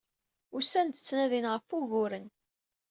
Usant-d, ttnadint ɣef wuguren.